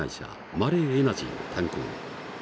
マレーエナジーの炭鉱。